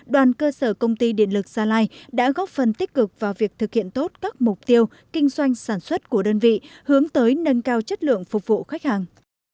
đoàn cơ sở công ty điện lực gia lai đã góp phần tích cực vào việc thực hiện tốt các mục tiêu kinh doanh sản xuất của đơn vị hướng tới nâng cao chất lượng phục vụ khách hàng